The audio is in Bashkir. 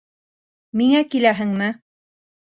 Миңә киләһеңме?